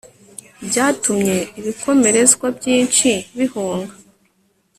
byatumye ibikomerezwa byinshi bihunga